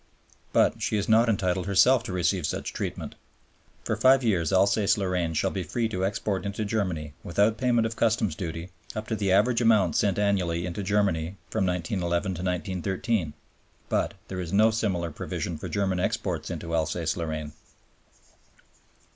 But she is not entitled herself to receive such treatment. For five years Alsace Lorraine shall be free to export into Germany, without payment of customs duty, up to the average amount sent annually into Germany from 1911 to 1913. But there is no similar provision for German exports into Alsace Lorraine.